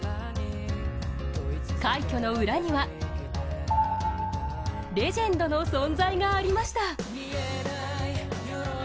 快挙の裏にはレジェンドの存在がありました。